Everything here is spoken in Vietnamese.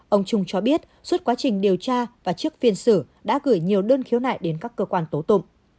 ông trung cho biết suốt quá trình điều tra và trước phiên xử đã gửi nhiều đơn khiếu nại đến các cơ quan tố tụng